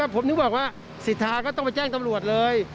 ผมถึงบอกว่าสิทธาก็ต้องไปแจ้งตำรวจเลย